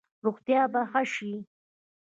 روغتیا به ښه شي؟